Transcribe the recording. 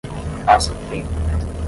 Passa Tempo